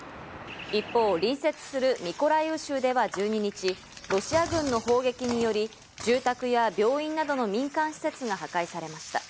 一方、隣接するミコライウ州では１２日、ロシア軍の砲撃により住宅などの民間施設が破壊されました。